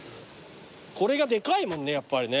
これがでかいもんねやっぱりね。